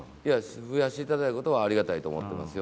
増やしていただいたことは、ありがたいと思っていますよ。